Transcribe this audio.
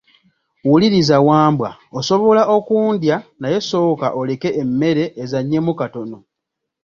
Wuliriza Wambwa, osobola okundya naye sooka oleke emmere ezaanyemu katono.